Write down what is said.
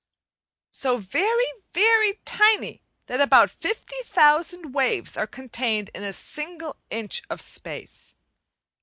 so very, very tiny that about fifty thousand waves are contained in a single inch of space!